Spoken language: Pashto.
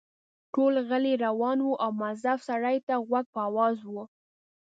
ټول غلي روان وو او مؤظف سړي ته غوږ په آواز وو.